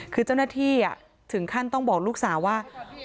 คือเจ้าหน้าที่ถึงขั้นต้องบอกลูกสาวว่า